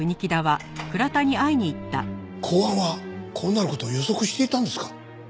公安はこうなる事を予測していたんですか？